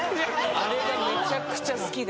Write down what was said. あれがめちゃくちゃ好きで。